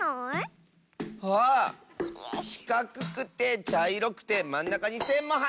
しかくくてちゃいろくてまんなかにせんもはいってる！